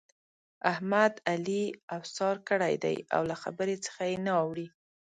احمد؛ علي اوسار کړی دی او له خبرې څخه يې نه اوړي.